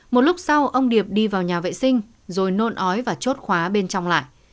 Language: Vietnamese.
một lúc sau ông điệp đi vào nhà vệ sinh rồi nôn ói và chốt khóa bên trong lại